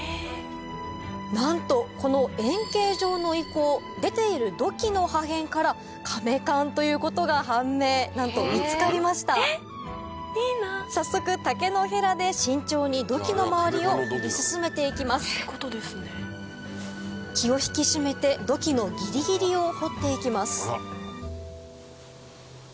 なんとこの円形状の遺構出ている土器の破片から甕棺ということが判明なんと見つかりました早速竹のヘラで慎重に土器の周りを掘り進めて行きます気を引き締めて土器のギリギリを掘って行きます